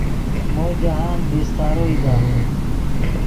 مو جاہند بیستارو ایدا